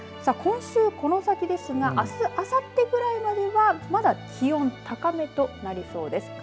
今週、この先ですがあすあさってくらいまではまだ気温、高めとなりそうです。